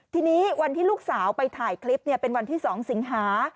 ทีนี้วันที่ลูกสาวไปถ่ายคลิปเป็นวันที่๒สิงหา